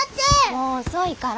もう遅いから。